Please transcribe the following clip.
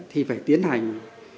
thì phải tiến hành